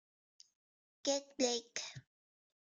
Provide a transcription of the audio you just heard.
Get Blake!